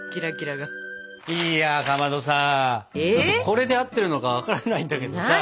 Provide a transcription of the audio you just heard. いやかまどさちょっとこれで合ってるのか分からないんだけどさ